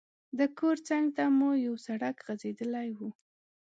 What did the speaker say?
د کور څنګ ته مو یو سړک غځېدلی وو.